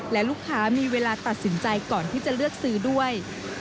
และลูกค้ามีเวลาตัดสินใจก่อนที่จะเลือกซื้อด้วย